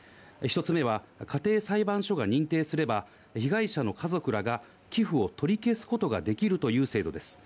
１つ目は家庭裁判所が認定すれば、被害者の家族らが寄付を取り消すことができるという制度です。